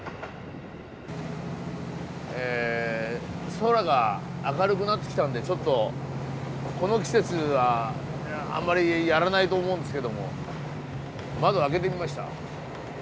空が明るくなってきたんでちょっとこの季節はあんまりやらないと思うんですけども窓開けてみました。